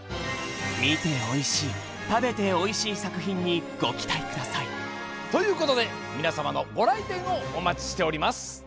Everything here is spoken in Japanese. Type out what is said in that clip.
みておいしい食べておいしいさくひんにごきたいくださいということでみなさまのごらいてんをおまちしております。